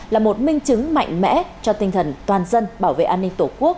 là một minh chứng mạnh mẽ cho tinh thần toàn dân bảo vệ an ninh tổ quốc